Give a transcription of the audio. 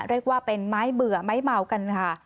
เรียกว่าเป็นไม้เบื่อไม้เมากันค่ะ